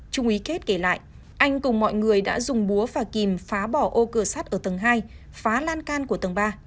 trung ý kết kể lại anh cùng mọi người đã dùng búa và kìm phá bỏ ô cửa sắt ở tầng hai phá lan can của tầng ba